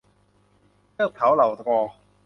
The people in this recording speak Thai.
เทือกเถาเหล่ากอ